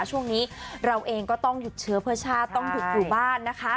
ช่วงนี้เราเองก็ต้องหยุดเชื้อเพื่อชาติต้องหยุดอยู่บ้านนะคะ